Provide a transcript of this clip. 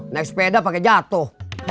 naik sepeda pake jatuh